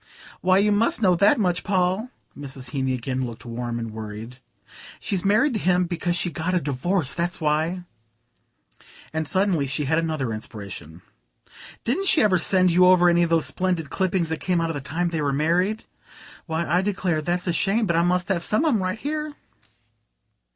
"Why, you must know that much, Paul." Mrs. Heeny again looked warm and worried. "She's married to him because she got a divorce that's why." And suddenly she had another inspiration. "Didn't she ever send you over any of those splendid clippings that came out the time they were married? Why, I declare, that's a shame; but I must have some of 'em right here."